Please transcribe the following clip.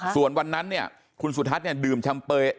ส่วนวันนั้นเนี่ยคุณสุทัศน์เนี่ยดื่มแชมเปย